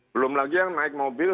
belum lagi yang naik mobil